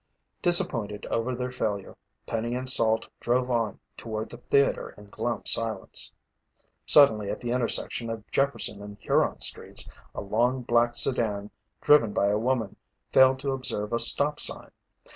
Disappointed over their failure, Penny and Salt drove on toward the theater in glum silence. Suddenly at the intersection of Jefferson and Huron Streets, a long black sedan driven by a woman, failed to observe a stop sign.